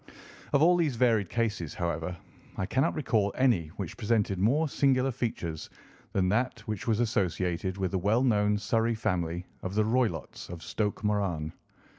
Of all these varied cases, however, I cannot recall any which presented more singular features than that which was associated with the well known Surrey family of the Roylotts of Stoke Moran.